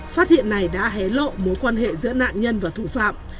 phát hiện này đã hé lộ mối quan hệ giữa nạn nhân và thủ phạm